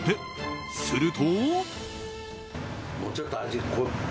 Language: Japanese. すると。